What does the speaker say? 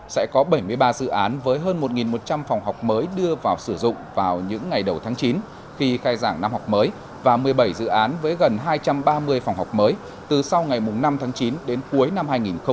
sẽ có bảy mươi ba dự án với hơn một một trăm linh phòng học mới đưa vào sử dụng vào những ngày đầu tháng chín khi khai giảng năm học mới và một mươi bảy dự án với gần hai trăm ba mươi phòng học mới từ sau ngày năm tháng chín đến cuối năm hai nghìn hai mươi